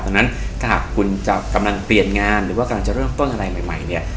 ดังนั้นถ้าหากคุณจะกำลังเปลี่ยนงานหรือว่ากำลังจะเริ่มต้นอะไรใหม่เนี่ย